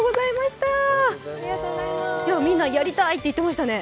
みんな、やりたいって言ってましたね。